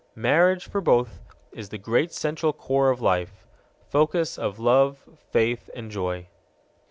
Marriage, for them both, is the great central core of life focus of love, faith, and joy.